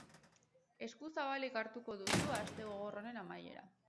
Esku zabalik hartuko duzu aste gogor honen amaiera.